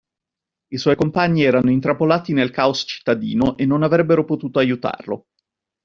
I suoi compagni erano intrappolati nel caos cittadino e non avrebbero potuto aiutarlo.